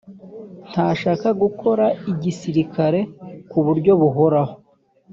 ntashaka gukora igisirikare ku buryo buhoraho